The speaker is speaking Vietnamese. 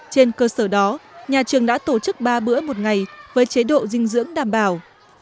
trên cơ sở đó nhà trường đã tổ chức ba bữa một ngày với chế độ dinh dưỡng đảm bảo